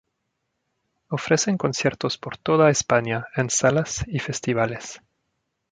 Ofrecen conciertos por toda España, en salas y festivales.